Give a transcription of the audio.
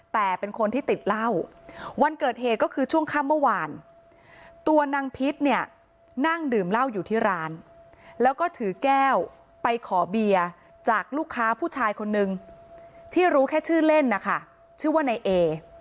แต่เป็นคนที่ติดเหล้าวันเกิดเหตุก็คือช่วงค่ำเมื่อวานตัวนางพิษเนี่ยนั่งดื่มเหล้าอยู่ที่ร้านแล้วก็ถือแก้วไปขอเบียร์จากลูกค้าผู้ชายคนนึงที่รู้แค่ชื่อเล่นนะคะชื่อว่านายเอ